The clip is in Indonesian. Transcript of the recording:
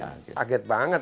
saya sangat terkejut